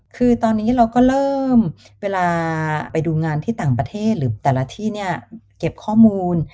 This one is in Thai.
คือตอนนี้เราก็เริ่มเวลาไปดูงานที่ต่างประเทศหรือแต่ละที่เนี่ยเก็บข้อมูล